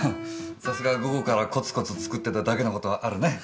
さすが午後からコツコツ作ってただけの事はあるね。